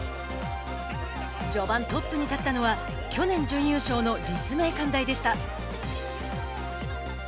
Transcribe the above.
序盤、トップに立ったのは去年準優勝の立命館大でした。